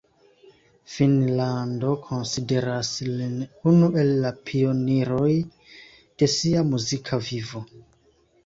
Finnlando konsideras lin unu el la pioniroj de sia muzika vivo.